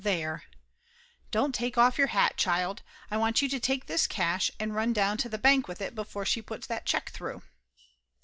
There! Don't take off your hat, child. I want you to take this cash and run down to the bank with it before she puts that check through."